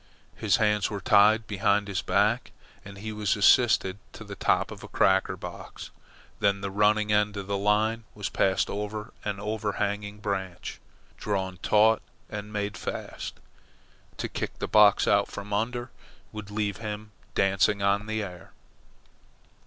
His hands were tied behind his back, and he was assisted to the top of a cracker box. Then the running end of the line was passed over an over hanging branch, drawn taut, and made fast. To kick the box out from under would leave him dancing on the air.